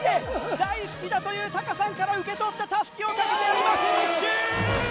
大好きだというタカさんから受け取ったタスキをかけて今フィニッシュ！